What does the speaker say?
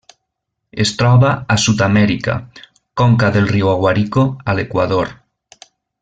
Es troba a Sud-amèrica: conca del riu Aguarico a l'Equador.